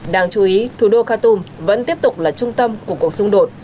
đáng chú ý thủ đô khatom vẫn tiếp tục là trung tâm của cuộc xung đột